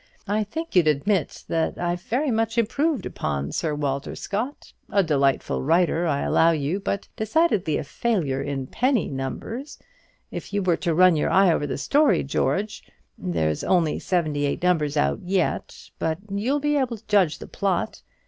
I think you'd admit that I've very much improved upon Sir Walter Scott a delightful writer, I allow, but decidedly a failure in penny numbers if you were to run your eye over the story, George; there's only seventy eight numbers out yet, but you'll be able to judge of the plot.